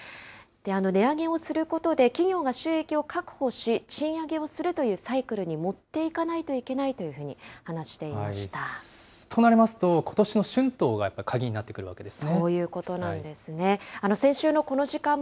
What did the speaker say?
値上げをすることで企業が収益を確保し、賃上げをするというサイクルに持っていかないといけないとなりますと、ことしの春闘がやっぱり鍵になってくるわけですね。